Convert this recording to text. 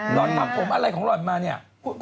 หลอนตำคมอะไรของหลอนนี่